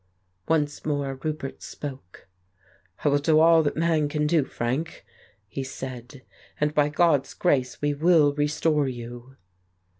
Once more Roupert spoke. "I will do all that man can do, Frank," he said, "and by God's grace we will restore you."